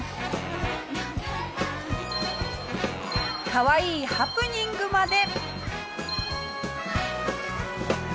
かわいいハプニングまで。